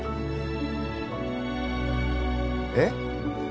えっ？